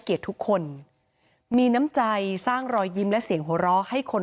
เกียรติทุกคนมีน้ำใจสร้างรอยยิ้มและเสียงโหร้ให้คน